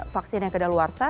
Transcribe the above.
vaksin yang kedaluarsa